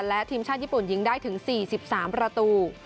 และทีมชาวญี่ปุ่นยิงได้ถึงสี่สิบสามประตู